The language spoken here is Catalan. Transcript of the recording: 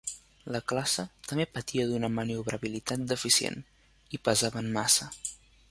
La classe també patia d'una maniobrabilitat deficient i pesaven massa.